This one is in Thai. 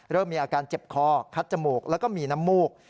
เริ่มมีอาการเจ็บคอคัดจมูกแล้วก็มีน้ำมูก